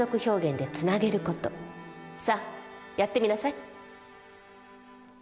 さあやってみなさい。